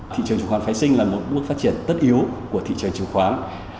thị trường chứng khoán phái sinh là một bước phát triển tất yếu của thị trường chứng khoán